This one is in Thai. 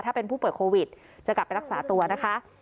ถ้าเป็นผู้ป่วยโควิดจะกลับไปรักษาตัวนะคะ